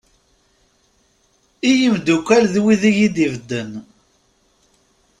I yimddukal d wid yid-i bedden.